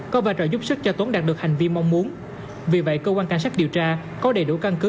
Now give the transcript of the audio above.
có vai trò giúp sức cho tốn đạt được hành vi mong muốn vì vậy cơ quan cảnh sát điều tra có đầy đủ căn cứ